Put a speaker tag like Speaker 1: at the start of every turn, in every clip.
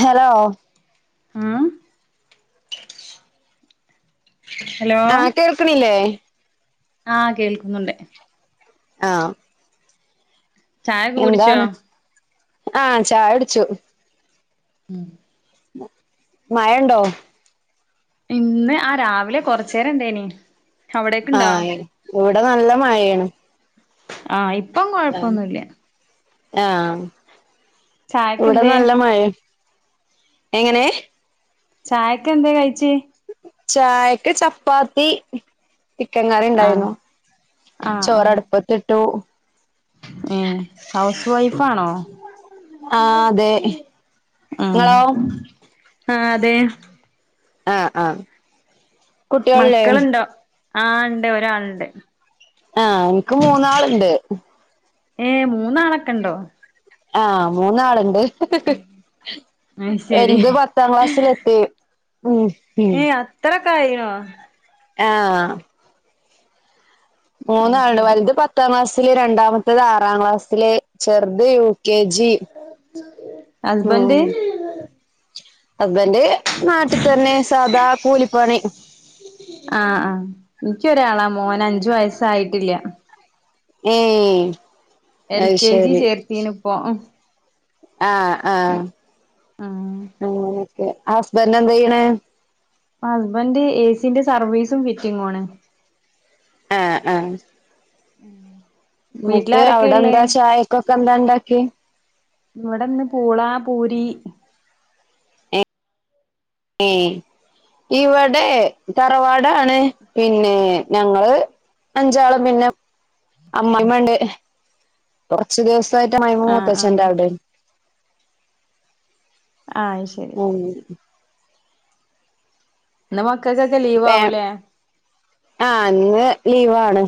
Speaker 1: Hello
Speaker 2: ഉംമ്
Speaker 1: ആ കേൾക്ക്ണില്ലേ
Speaker 2: ആ കേൾക്കുന്നുണ്ട്
Speaker 1: ആ
Speaker 2: ചായക്കെ കുട്ച്ചോ
Speaker 1: ആ ചായ കുട്ച്ചു
Speaker 2: ഉം
Speaker 1: മ മഴ ഇണ്ടോ
Speaker 2: ഇന്ന് ആ രാവിലെ കൊറച്ചേരം ഇണ്ടെയിനി അവിടെക്ക് ഇണ്ടോ
Speaker 1: ഇവടെ നല്ല മഴയെണ്
Speaker 2: ആ ഇപ്പം കൊഴപ്പൊന്നുയില്ല
Speaker 1: ആ ഇവടെ
Speaker 2: ചായക്കെന്തേ
Speaker 1: നല്ല മഴ എങ്ങനെ
Speaker 2: ചായക്ക് എന്തെ കഴിച്ചേ
Speaker 1: ചായക്ക് ചപ്പാത്തി ചിക്കൻ കറി
Speaker 2: ആഹ്
Speaker 1: ഇണ്ടായിരുന്നു ചോർ അടുപ്പത്തിട്ടു
Speaker 2: ഏ ഹൗസ് വൈഫ് ആണോ
Speaker 1: ആഹ് അതെ
Speaker 2: ആ
Speaker 1: നിങ്ങളോ
Speaker 2: ആ അതെ
Speaker 1: ആ ആ
Speaker 2: മക്കൾ ഇണ്ടോ ആ ഇണ്ട് ഒരാൾ ഇണ്ട്
Speaker 1: ആഹ് എനിക്ക് മൂന്നാളുണ്ട്
Speaker 2: ഏ മൂന്നാളൊക്കെ ഇണ്ടോ
Speaker 1: ആ മൂന്നാൾ ഇ
Speaker 2: അയ്ശരി
Speaker 1: വല്ത് പത്താം ക്ലാസ്സിൽ എത്തി മ്മ് മ്മ്
Speaker 2: കയ്യോ
Speaker 1: ആ മൂന്നാൾ ഇണ്ട്
Speaker 2: അയ്ശരി
Speaker 1: വല്ത് പത്താം ക്ലാസ്സില് രണ്ടാമത്തത് ആറാം ക്ലാസ്സില് ചെർ ത് യു ക്കെ ജി ഉം
Speaker 2: ഹസ്ബൻഡ്
Speaker 1: അബ്ബന്റെ നാട്ടി തന്നെ സാദാ കൂലിപ്പണി
Speaker 2: ആ ആഎനിക്കൊരാളാ മോൻ അഞ്ചു വയസായിട്ടില്ല
Speaker 1: ഹെ
Speaker 2: എൽ കെ ജി ചേർത്തീനി ഇപ്പൊ
Speaker 1: ആ ആ
Speaker 2: ആഹ്
Speaker 1: അങനെക്കെ ഹസ്ബൻഡ എന്ത ചെയ്യണ്
Speaker 2: ഹസ്ബൻഡറ് ഏ സീന്റെ സർവീസും ഫിറ്റിങ്ങ ആണ്
Speaker 1: ആ ആ
Speaker 2: ഉം
Speaker 1: ന്നിട്ട് അവിടെ എന്താ ചായക്കൊക്കെ എന്താ ഇണ്ടാക്കി
Speaker 2: ഇവിടെന്ന് പൂള പൂരി
Speaker 1: ഹെ ഇവിടെ തറവാടാണ് പിന്നെ ഞങ്ങള് അഞ്ചാളും പിന്നെ അമ്മയിമ്മണ്ട് കുറച്ച ദിവസം റ്റെ അമ്മായിമ്മ
Speaker 2: ആഹ്
Speaker 1: മൂത്തച്ചന്റ്
Speaker 2: ആഹ്
Speaker 1: അവിടെനു
Speaker 2: ആ ശരി
Speaker 1: ഉം
Speaker 2: ഇന്ന് മക്കൾക്കൊക്കെ ലീവ്
Speaker 1: പെമ്
Speaker 2: ആവൂലേ
Speaker 1: അഇന്ന് ലീവാണ്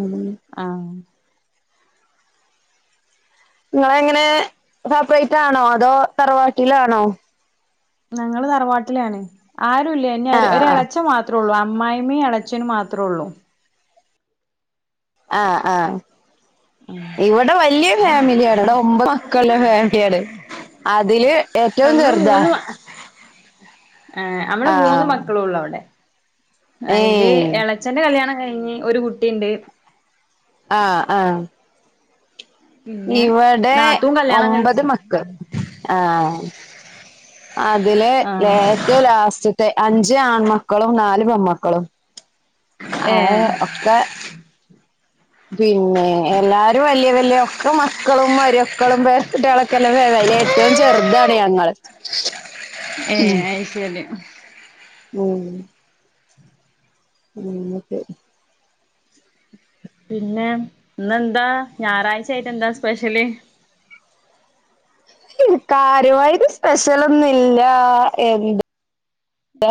Speaker 1: ഉം
Speaker 2: അ
Speaker 1: ഇങ്ങളെങ്ങനെ സെപ്പറയ്റ്റാണോ അതോ തറവാട്ടിലാണോ
Speaker 2: ഞങ്ങള് തറവാട്ടിലാണ്. ആരുല്ല ഇനി ഒര
Speaker 1: ആഹ് ആഹ്
Speaker 2: ഒരളച്ചൻ മാത്രൊള്ളു അമ്മായിമ്മീം എളച്ചനും മാത്രൊള്ളൂ
Speaker 1: ആഹ് ആഹ് ഇവടെ വല്ല്യ ഫാമില്യാണ്. ഇവടെ ഒമ്പത് മക്കൾള ഫാമിലിയാണ്. അതില് ഏറ്റവും
Speaker 2: ഞങ്ങള്
Speaker 1: ചെറ്താ.
Speaker 2: മൂന്ന് ഏഹ്. നമ്മള് മൂന്ന്
Speaker 1: ആഹ്
Speaker 2: മക്കളൊള്ളു അവ്ടെ. അയില്
Speaker 1: ഏഹ്
Speaker 2: എളച്ചന്റെ കല്യാണം കഴിഞ്ഞ് ഒരു കുട്ടിണ്ട്.
Speaker 1: ആഹ് ആഹ്
Speaker 2: പിന്നെ
Speaker 1: ഇവിടെ
Speaker 2: നാത്തൂൻ കല്യാണം കഴിച്ച്
Speaker 1: ഒമ്പത് മക്കൾ ആഹ് അതില്
Speaker 2: ആഹ്
Speaker 1: ഏറ്റവും ലാസ്റ്റത്തെ അഞ്ച് ആൺമക്കളും നൽ പെമ്മക്കളും
Speaker 2: ഏഹ്
Speaker 1: ആഹ് ഒക്കെ പിന്നെ എല്ലാരും വലിയ വല്യ ഒക്കെ മക്ക മക്കളും മരുക്കളും പേരക്കുട്ടലും ക്കെല്ലെ അയില് ഏറ്റവും ചെറുതാണ് ഞങ്ങള് ഉം
Speaker 2: ഏഹ് അയ് ശരി
Speaker 1: ഉം ഉം എന്നിട്ട്
Speaker 2: പിന്നെ ഇന്നെന്താ ഞായറാഴ്ച ആയിട്ട് എന്താ സ്പെഷ്യല്
Speaker 1: കാര്യവായിത് സ്പെഷ്യലൊന്നുംല്ല എന്ത്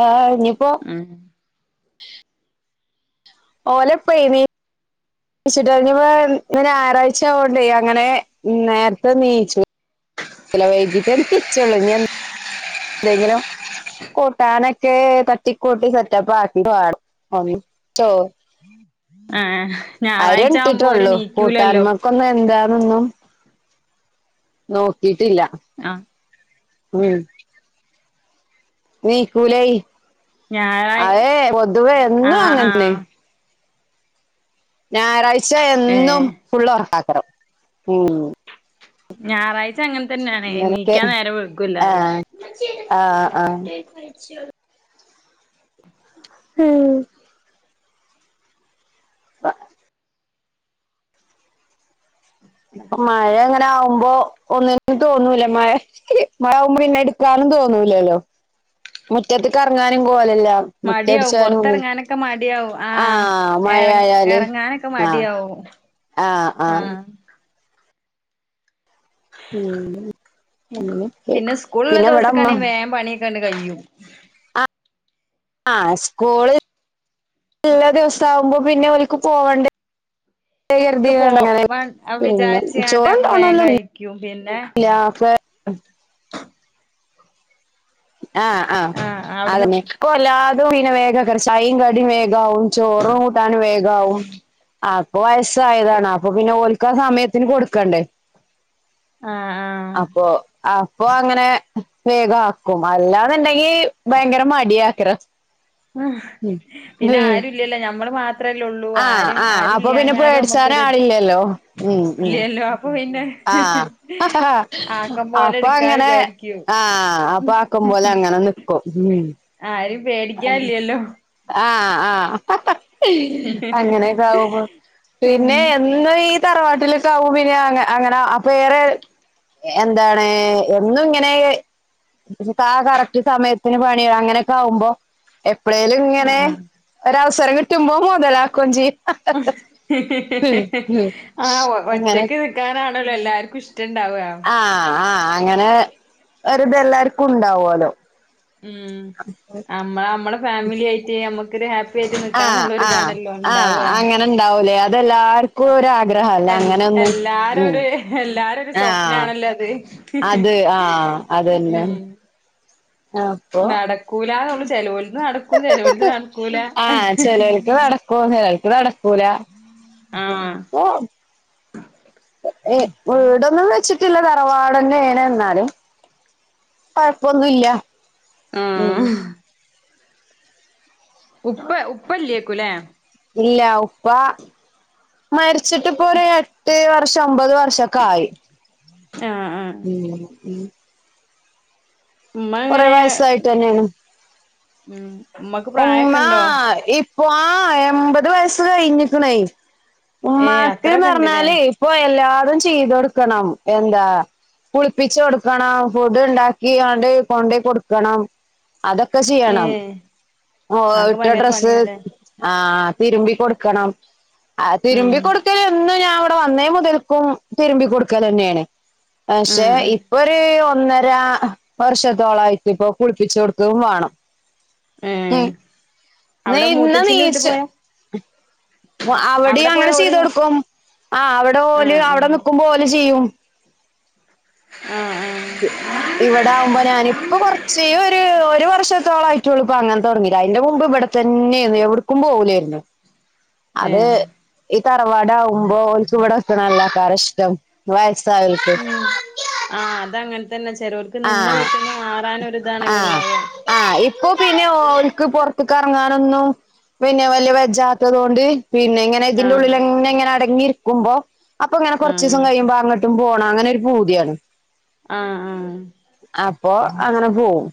Speaker 1: ആഹ് ഇനി
Speaker 2: മ്
Speaker 1: ഓലപ്പേ വീ ചിട്ടഴിഞ്ഞ് [unintelligible] ഇന്ന് ഞായറാഴ്ച ആവോണ്ടേ അങ്ങനെ നേരത്തെ നീച്ചു [inaudible] വെയ്ക്കിട്ടെ ണീച്ചോള്ളൂ ഇനി എന്തെങ്കിലും കൂട്ടാനൊക്കെ തട്ടികുട്ടി സെറ്റപ്പ് ആക്കിറ്റ് വേണം [unintelligible]
Speaker 2: ആഹ്
Speaker 1: അരി
Speaker 2: ഞായറാഴ്ച ആവുമ്പോ ഓര്
Speaker 1: ഇട്ടിട്ടൊള്ളൂ
Speaker 2: നീക്കൂലല്ലോ
Speaker 1: കൂട്ടാന്മക്കൊന്ന് എന്താന്നൊന്നും നോക്കിട്ടില്ല
Speaker 2: ആഹ്
Speaker 1: ഉം നീക്കൂലൈ
Speaker 2: ഞായറാഴ്
Speaker 1: അതെ പൊതുവേ എന്നും
Speaker 2: ആഹ്
Speaker 1: അങ്ങൻതന്നെ
Speaker 2: ആഹ്
Speaker 1: ഞായറാഴ്ച എന്നും
Speaker 2: ഏഹ്
Speaker 1: ഫുള്ള് ഒറക്കാക്കരം ഉം
Speaker 2: ഞായറാഴ് ച്ച അങ്ങനെ തന്നെയാണ്
Speaker 1: അങ്ങനൊക്കെ
Speaker 2: എണീക്കാൻ നേരം വെയ്കൂ എല്ലാരും
Speaker 1: ആഹ് ആഹ് ആഹ് ഹ് വ പ്പ മഴ ങ്ങനെ ആഉമ്പോ ഒന്ന് [unintelligible] മഴ മഴ ആഉമ്പോ പിന്നെ എടുക്ക ൻ തോന്നുലല്ലോ മുറ്റത്ത് കറങ്ങാനും ഗോലെ
Speaker 2: മടിയവും പൊറത്തിറങ്ങാനൊക്കെ മഡ്യാവും പൊർത്തെറങ്ങാനൊക്കെ
Speaker 1: ആഹ്
Speaker 2: മടിയാവു
Speaker 1: മഴയായാല്
Speaker 2: എറങ്ങാനൊക്കെ
Speaker 1: ആഹ്
Speaker 2: മടിയാവു ദോ
Speaker 1: ആഹ് ആഹ് ഉം അങ്ങനൊക്കെ
Speaker 2: പിന്നെ സ്കൂൾള്ള
Speaker 1: പിന്നെ ഇവിടമ്മ
Speaker 2: ദിവസക്കാണെ വേം പണി കണ്ട് കയും.
Speaker 1: ആഹ് സ്കൂള് ഉള്ള ദിവസാകുമ്പോ പിന്നെ ഓല്ക്ക് പോവണ്ടെ
Speaker 2: ഒക്കെ പോ വൻ
Speaker 1: [unintelligible]
Speaker 2: വിചാരിച്ച്ങ്ങാണ്ട് നമ്മള് വേം
Speaker 1: ചോറൊണ്ടോണല്ലോ
Speaker 2: കഴിക്കും പിന്നെ
Speaker 1: [unintelligible] ആഹ് ആഹ് അതന്നെ പ്പോ എല്ലാതും വിനെ വേഗ കർഷൈയും കടി വേഗ ഗാഉം ചോറു കൂട്ടാനു വേഗാഉ
Speaker 2: ആഹ്
Speaker 1: അപ്പൊ വയസ്സായതാണ് അപ്പൊ പിന്നെ ഓൽ ഒക്കെ സമയത്തിന് കൊടുക്കണ്ടേ
Speaker 2: ആഹ്
Speaker 1: അപ്പൊ അപ്പൊ അങ്ങനെ ഉം വേഗആക്കും അല്ലാന്നുണ്ടെങ്കി ഭയങ്കര മടിയ കേ
Speaker 2: ആഹ പിന്നെ ആരുല്ലല്ലോ ഞമ്മള് മാത്ര
Speaker 1: ആഹ ആഹ് അപ്പൊ പിന്നെ പേടിച്ചാര
Speaker 2: നമ്മുക്കൊരു
Speaker 1: ആളില്ലല്ലോ ഉം ഉം ഉം
Speaker 2: ഇല്ലല്ലോ അപ്പൊ പിന്നെ
Speaker 1: ആഹ ഹ ഹ ഹ
Speaker 2: ആക്കം പോലെ
Speaker 1: അപ്പൊ
Speaker 2: എടുക്കാ
Speaker 1: അങ്ങനെ
Speaker 2: വിചാരിക്കും
Speaker 1: ആഹ അപ്പ ആക്കും പോലെ അങ്ങനെ നിക്ക് [unintelligible]
Speaker 2: ആരെയും പേടിക്കാനില്ലല്ലോ.
Speaker 1: ആ ഹ് ഹ് ഹ്ഹ്ഹ് അങ്ങനെയൊക്കെ ആകുമ്പോ
Speaker 2: ഉം
Speaker 1: പിന്നെ എന്ന ഈ തറവാട്ടിലെ തൗമിന അങ്ങനെ അപ്പൊ ഏറെ എന്താണ് എന്നും ഇങ്ങനെ ക കറക്റ്റ് സമയത്തിന് പണിയ അങ്ങനെയൊക്കെ ആകുമ്പോ എപ്പളേലും ഇങ്ങനെ
Speaker 2: ആഹ്
Speaker 1: ഒരഅവസരം കിട്ടുമ്പോ മുതലാക്കും ചെയ്യും.
Speaker 2: ഹ് ഹ് ഹ് ഹ് ഹ് ഹ് ആ
Speaker 1: അങ്ങനെ
Speaker 2: ഒറ്റക്ക് നിക്കാനാണല്ലോ എല്ലാർക്കും ഇഷ
Speaker 1: ആഹ ആഹ് അങ്ങനെ ഒരുതെല്ലാർക്കും ഉണ്ടാവല്ലോ.
Speaker 2: ഉം അമ്മ നമ്മടെ ഫാമിലി ആയിട്ട് നമ്മുക്കൊരു ഹാപ്പി ആയിട്ട്
Speaker 1: ആ
Speaker 2: നിക്കണം എന്നുള്ളൊരു
Speaker 1: ആഹ്
Speaker 2: ഇതാണല്ലോ
Speaker 1: ആഹ
Speaker 2: ഉണ്ടാവ
Speaker 1: അങ്ങനെ ഉണ്ടാവൂലേ അതെല്ലാർക്കും ഒരാഗ്രഹല്ല
Speaker 2: എൽ
Speaker 1: അങ്ങനെൊന്നും
Speaker 2: എല്ലാരും
Speaker 1: ഉ
Speaker 2: ഒരു എല്ലാരും ഒരു
Speaker 1: ആ
Speaker 2: സ്വപ്നാണല്ലോ അത്
Speaker 1: അത് ആഹ അതന്നെ.
Speaker 2: ഉം
Speaker 1: അപ്പൊ
Speaker 2: നടക്കൂലാന്നൊള്ളു ചെലോൽത് നടക്കും ചെലോൽത്
Speaker 1: ആഹ
Speaker 2: നടക്കൂല
Speaker 1: ഹ് ഹ് ഹ് ചിലർക്ക് വ ഹോ ന്നക്ക്ത നടക്കൂല
Speaker 2: ആഹ്
Speaker 1: ഓ എ വീടൊന്നും വെച്ചിട്ടില്ല തറവാടനേ ന എന്നാലും. കുഴപ്പൊന്നുല്ല.
Speaker 2: ആഹ ഹ് ഉപ്പ ഉപ്പല്ലേക്കൂല്ലേ
Speaker 1: ഇല്ല ഉപ്പ മരിച്ചിട്ട് പ്പൊ ഒരു എട്ട് പക്ഷെ ഒമ്പത് വർഷൊക്കെ ആയി
Speaker 2: ആഹ് ആഹ് ഉമ്മ
Speaker 1: കൊറേ
Speaker 2: അങ്ങനെ
Speaker 1: വയസ്സായിട്ട് തന്നെയാണ്
Speaker 2: മ് ഉമ്മക്ക് പ്രായൊക്കെ ഉണ്ടോ
Speaker 1: പോ ആ എമ്പത് വയസ്സ് കഴിഞ്ഞിക്കുന്നേ.
Speaker 2: ഏ
Speaker 1: ഉമ്മാക്ക്ന്ന്
Speaker 2: അത്രൊക്കെ ഇണ്ട്ല്ലേ
Speaker 1: പറഞ്ഞാല് ഇപ്പൊ എല്ലാതും ചെയ്തൊടുക്കണം എന്താ കുളിപ്പിച്ചു കൊടുക്കണം ഫുഡ് ഉണ്ടാക്കി അണ്ട് കൊണ്ട കൊടുക്കണം. അതൊക്കെ ചെയ്യണം ഓ
Speaker 2: ആക്കെ
Speaker 1: ഇട്ട
Speaker 2: ഭയങ്കര
Speaker 1: ഡ്രസ്സ്
Speaker 2: പണിയാല്ലേ
Speaker 1: ആ തിരുമ്പി കൊടുക്കണം ആ
Speaker 2: ഉം
Speaker 1: തിരുമ്പി കൊടുക്കൽ എന്നും ഞാവിടെ വന്നേ മുതൽക്കും തിരുമ്പി കൊടുക്കലന്നെയാണ്
Speaker 2: ഉം
Speaker 1: പക്ഷെ
Speaker 2: ഉം
Speaker 1: ഇപ്പൊ ഒരു ഒ ഒന്നര വർഷത്തോളായിട്ട് ഇപ്പൊ കുളിപ്പിച്ചു കൊടുക്കകയും വേണം.
Speaker 2: ഏ
Speaker 1: ഉം
Speaker 2: അവിടെ
Speaker 1: നെയന്ന
Speaker 2: മൂത്തച്ഛിന്റെ വീട്ടി
Speaker 1: നീരിച്
Speaker 2: പോയാ
Speaker 1: അവിടെയും
Speaker 2: അവിടെ
Speaker 1: അങ്ങനെ
Speaker 2: പോയാ
Speaker 1: ചെയ്ത്
Speaker 2: ഓരുന്നോ
Speaker 1: കൊടുക്കും ആ അവിടെ ഓലെ
Speaker 2: ആഹ്
Speaker 1: അവിടെ
Speaker 2: ആഹ്
Speaker 1: നിൽക്കുമ്പോ ഓലെചെയ്യും.
Speaker 2: ആഹ് ആഹ്
Speaker 1: ഇവിടവുമ്പോ ഞാനിപ്പൊ കൊറച്ച ഒരു ഒരു വർഷ തോളയിട്ടുള്ളൂ ഇപ്പ അങ്ങനെ തുടങ്ങിരാ അതിന്റെ മുമ്പ് ഇവിടെത്തന്നെയായി എവിടക്കും പോവൂലായിരുന്ന്
Speaker 2: ഏ
Speaker 1: അത് ഈ തറവാടാകുമ്പോ ഒരു ചുവടെ വെക്കണല്ല കാര ഇഷ്ടം വയസായിട്ടും
Speaker 2: അത അങ്ങനെ തന്നെ ചെലവർക്ക് നിന്ന വീട്ടിന്ന് മാറാനൊരുരിതണല്ല
Speaker 1: ആഹ്
Speaker 2: ഉണ്ടാവ
Speaker 1: ആഹ് ഇപ്പൊ പിന്നെ ഒർക്ക് പുറത്ത് കറങ്ങ റങ്ങും പിന്നെ വലിയ വെജാത്തത് കൊണ്ട് പിന്നെ ഇങ്ങനെ ഇതിന്റെ
Speaker 2: ആഹ്
Speaker 1: ഉള്ളിൽങ്ങനെങ്ങിനെ അടങ്ങി ക്കുമ്പോ അപ്പൊ ഇങ്ങനെ കുറച്ച്
Speaker 2: ആഹ്
Speaker 1: ദിവസം കഴിയുമ്പോ അങ്ങോട്ടും പോണം അങ്ങനെ ഒരു പൂതിയാണ്
Speaker 2: ആഹ് ആഹ്
Speaker 1: അപ്പൊ അങ്ങനെ പോവും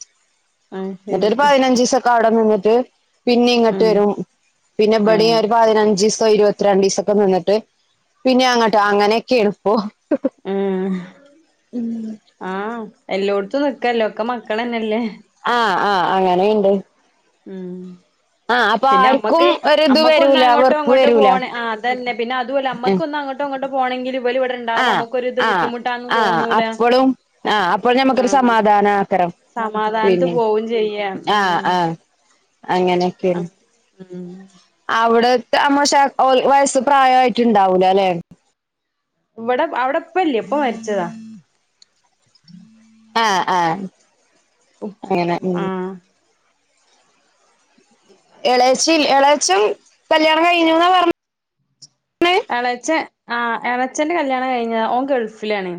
Speaker 2: അത് ശരി
Speaker 1: എന്നിട്ടൊരു പതിനഞ്ച് ദിവസക്ക ടെനിന്നിട്ട് പിന്നെ ഇങ്ങട്ട്
Speaker 2: ഉം
Speaker 1: വരും പിന്നെ
Speaker 2: ഏ
Speaker 1: പടിയെ ഒരു പതിനഞ്ച് ദിസ്- ഇരുപത്തിരണ്ട് ദീസൊക്കെ നിന്നിട്ട് പിന്നെ അങ്ങോട്ട് അങ്ങനെയൊക്കെയാണിപ്പോ
Speaker 2: മ് ആഹ് എല്ലോട്ട് നിക്കല്ലോ ഒക്കെ മക്കള് തന്നെല്ലേ
Speaker 1: ആഹ് ആഹ് അങ്ങനെയ്ണ്ട്
Speaker 2: ഉം പിന്നെ
Speaker 1: ആർക്കും
Speaker 2: അമ്മക്ക്
Speaker 1: ഒരിത്
Speaker 2: അമ്മക്ക് ഒന്ന്
Speaker 1: വരൂല
Speaker 2: അങ്ങോട്ടോ
Speaker 1: വെറുപ്പ്
Speaker 2: ഇങ്ങോട്ടോ
Speaker 1: വരൂല
Speaker 2: പോണേ ആഹ് അതന്നെ പിന്നെ അതുല്ല
Speaker 1: ഉം
Speaker 2: അമ്മക്ക് ഒന്ന് അങ്ങോട്ടോ ഇങ്ങോട്ടോ പോണെങ്കിലും വെല് ഇവടെ ഇണ്ടാഉമ്പൊ
Speaker 1: ആഹ്
Speaker 2: അമുക്കൊരു ഇത്
Speaker 1: ആഹ്
Speaker 2: ബുദ്ധിമുട്ടാന്ന്
Speaker 1: ആഹ്
Speaker 2: തോന്നൂല.
Speaker 1: അപ്പളും ആഹ് അപ്പോൾ ഞമ്മക്കൊരു
Speaker 2: ആഹ്
Speaker 1: സമാധാനാക്കരം
Speaker 2: സമാധാൻത്ത്
Speaker 1: പിന്നെ
Speaker 2: പോവും ചെയ്യാ ഉം
Speaker 1: അങ്ങനെക്കെണ്
Speaker 2: ഉം
Speaker 1: അവ്ടെ റ്റെ അമ്മശ ഓൽ വയസ്സ് പ്രായയായിട്ട്ണ്ടാവൂല ലേ
Speaker 2: ഇവടെ അവ്ടെ പ്പല്ലേ പ്പ മരിച്ചതാ
Speaker 1: ആഹ് ആഹ് അങ്ങനെ ഉം
Speaker 2: ആ
Speaker 1: എളേച്ചിൽ എളാച്ചം കല്യാണം കഴിഞ്ഞുന്നാ പർ
Speaker 2: എളയച്ചൻ ആ എളയച്ചന്റെ കല്യാണം കഴിഞ്ഞതാ ഓൻ ഗൾഫിലാണ്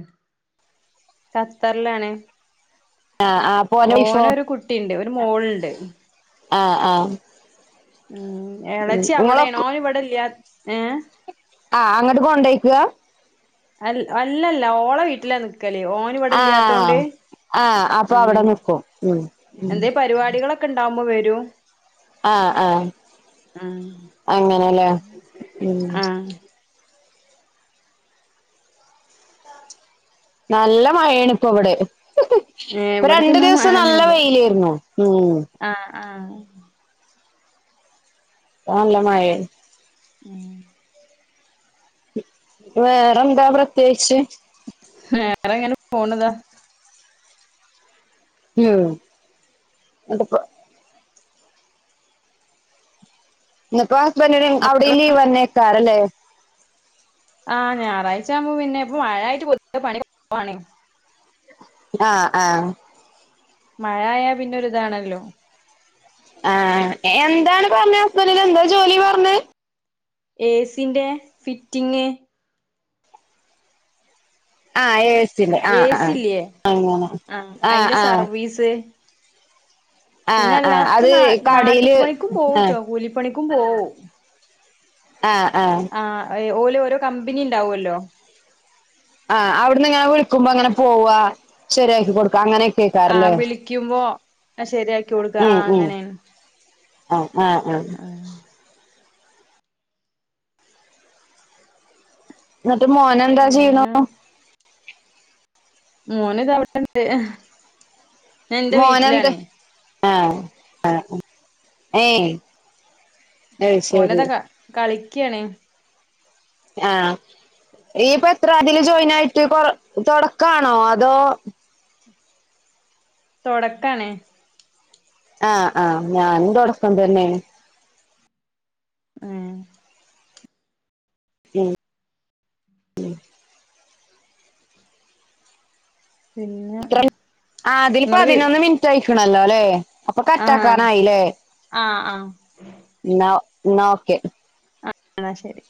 Speaker 2: ഖത്തറിലാണ്
Speaker 1: ആഹ് ആഹ് അപ്പൊ ഓന്റെ വൈഫോ
Speaker 2: ഓന് ഒരു കുട്ടിയുണ്ട് ഒരു മോളുണ്ട്
Speaker 1: ആഹ് ആഹ്
Speaker 2: ഉം
Speaker 1: ഉം
Speaker 2: ഇളച്ചി അവിടെയാണ്
Speaker 1: ഇങ്ങളൊക്കെ
Speaker 2: ഓൻ ഇവിടില്ല്യാ ഏ
Speaker 1: ആഹ് അങ്ങോട്ട് കോണ്ടേയ്ക്കുക
Speaker 2: അ അല്ലല്ല ഓളുടെ വീട്ടിലാ നിക്കല് ഓന് ഇവിടെ ഇല്ലാത്തോണ്ട്
Speaker 1: ആഹ് ആഹ് അപ്പൊ അവിടെ
Speaker 2: അങ്ങനെ
Speaker 1: നിക്കും ഉം
Speaker 2: എന്തെ പരിപാടികളൊക്കെ ഇണ്ടാവുമ്പോ വരും
Speaker 1: ആഹ് ആഹ്
Speaker 2: ആഹ്
Speaker 1: അങ്ങനെല്ലേ ഉം
Speaker 2: ആഹ്
Speaker 1: നല്ല മഴയാണിപ്പൊ ഇവിടെ
Speaker 2: ഏഹ്
Speaker 1: ഇപ്പോ രണ്ട്
Speaker 2: ഇവിടക്ക്ന്നാ
Speaker 1: ദിവസം നല്ല
Speaker 2: മഴൊന്നുല്ല
Speaker 1: വെയിലായിരുന്നു ഉം
Speaker 2: ആഹ് ആഹ്
Speaker 1: ഇപ്പൊ നല്ല മഴയായി
Speaker 2: ഉം
Speaker 1: വേറെന്താ പ്രത്യേകിച്ച്
Speaker 2: വേറെ ഇങ്ങനെ പോണതാ
Speaker 1: ഉം [unintelligible] ഇനിയിപ്പോ ഹസ്ബന്റിനും അവിടെയും ലീവ് വന്നേക്കാറല്ലേ
Speaker 2: ആഹ് ഞായറാഴ്ച ആവുമ്പോ പിന്നെ ഇപ്പോ മഴയായിട്ട് പൊതുവെ പണി കുറവാണേ
Speaker 1: ആഹ് ആഹ്
Speaker 2: മഴ ആയാ പിന്നൊരു ഇതാണല്ലോ
Speaker 1: ആഹ് എന്താണ് പറഞ്ഞത് ഹസ്ബന്‍ഡിന് എന്താ ജോലിയെന്നാ പറഞ്ഞത്
Speaker 2: ഏസീന്റെ ഫിറ്റിംങ്ങ്
Speaker 1: ആ ഏസീന്റെ ആ ആ
Speaker 2: ഏസി ഇല്ലേ
Speaker 1: അങ്ങനെ
Speaker 2: ആഹ്
Speaker 1: ആ
Speaker 2: അയിന്റെ
Speaker 1: ആ
Speaker 2: സർവീസ് പിന്നെ അല്ലാത്ത
Speaker 1: അത്
Speaker 2: ന
Speaker 1: കടയില്
Speaker 2: നാട്ടുപണിക്കും
Speaker 1: ആഹ്
Speaker 2: പോവൂട്ടോ കൂലിപ്പണിക്കും പോവും
Speaker 1: ആഹ് ആഹ്
Speaker 2: ആ ഓലെ ഓരോ കമ്പനി ഇണ്ടാവല്ലോ
Speaker 1: ആഹ് അവിടുന്ന് ഇങ്ങനെ വിളിക്കുമ്പോ അങ്ങനെ പോവാ ശരിയാക്കി കൊടുക്ക അങ്ങനയൊക്ക
Speaker 2: ആഹ് വിളിക്കുമ്പോ ശരിയാക്കി കൊടുക്കാൻ ആ
Speaker 1: ഉം ഉം
Speaker 2: അങ്ങനെയാണ്
Speaker 1: ആഹ് ആഹ് ആഹ്
Speaker 2: ആ
Speaker 1: എന്നിട്ട് മോന് എന്താ ചെയ്യുണു
Speaker 2: പിന്നെ മോന് ഇതാ ഇവുടെ ഉണ്ട് ഞാൻ എന്റെ
Speaker 1: മോനെന്ത്
Speaker 2: വീട്ടിലാണ്
Speaker 1: ആഹ് ആഹ് ഏയ് അത്
Speaker 2: ഓന
Speaker 1: ശരി
Speaker 2: അതാ കളിക്കണേ
Speaker 1: ആഹ് നീ ഇപ്പയെത്ര അതില് ജോയിൻ ആയിട്ട് കൊ തൊടാക്കാണോ അതോ-
Speaker 2: തൊടക്കാണേ
Speaker 1: ആഹ് ആഹ് ഞാനും തൊടക്കം തന്നെയാണ്
Speaker 2: ആഹ്
Speaker 1: ഉം ഉം
Speaker 2: പിന്നെ
Speaker 1: ഇത്ര അതില്
Speaker 2: നിങ്ങള്
Speaker 1: പതിനൊന്ന് മിനിറ്റുയിക്കുണുലെ അല്ലേ അപ്പൊ
Speaker 2: ആ
Speaker 1: കട്ട് ആക്കാനായില്ലേ
Speaker 2: ആ ആ
Speaker 1: ന്ന എന്ന ഓക്കെ
Speaker 2: ആാ ശരി